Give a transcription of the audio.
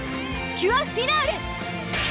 キュアフィナーレ！